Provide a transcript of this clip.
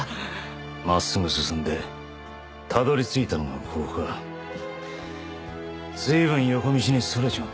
まっすぐ進んでたどり着いたのがここかずいぶん横道にそれちまった